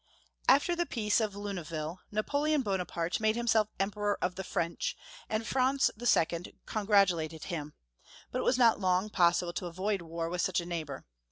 AFTER the peace or Luneville, Napoleon Bona parte made himself Emperor of the French, and Franz II. congratulated him ; but it was not long possible to avoid war with such a neighbor.